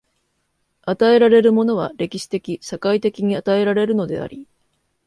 与えられるものは歴史的・社会的に与えられるのであり、